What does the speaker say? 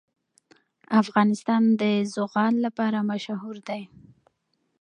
افغانستان د زغال لپاره مشهور دی.